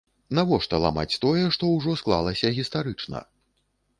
Навошта ламаць тое, што ўжо склалася гістарычна?